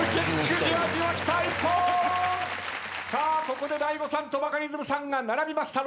ここで大悟さんとバカリズムさんが並びました。